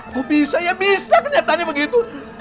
kok bisa ya bisa kenyataannya begitu